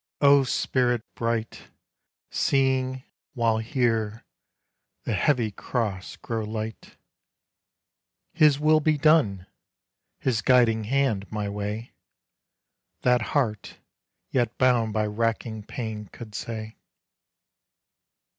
O spirit bright Seeing, while here, the heavy cross grow light, "His will be done; His guiding hand my way!" That heart, yet bound by racking pain, could say.